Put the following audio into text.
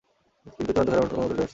কিন্তু চূড়ান্ত খেলাটি অনুষ্ঠিত হয়নি।